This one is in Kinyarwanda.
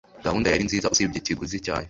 Gahunda yari nziza usibye ikiguzi cyayo.